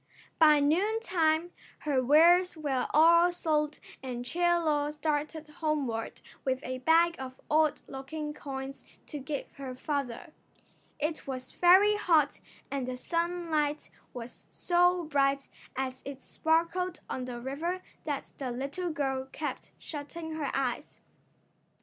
By noontime her wares were all sold and Chie Lo started homeward with a bag of odd looking coins to give her father. It was very hot and the sunlight was so bright as it sparkled on the river that the little girl kept shutting her eyes.